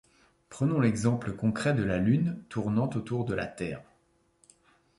Prenons l'exemple concret de la Lune tournant autour de la Terre.